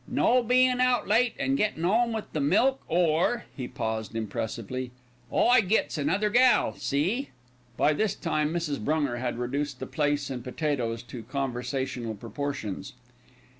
"No bein' out late an' gettin' 'ome with the milk, or" he paused impressively "I gets another gal, see?" By this time Mrs. Brunger had reduced the plaice and potatoes to conversational proportions.